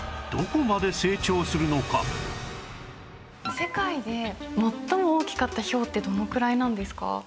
世界で最も大きかったひょうってどのくらいなんですか？